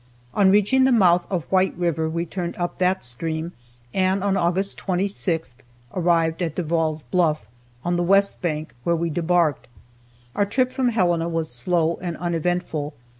On reaching the mouth of White river, we turned up that stream, and on August 26th arrived at Devall's Bluff, on the west bank, where we debarked. Our trip from Helena was slow and uneventful.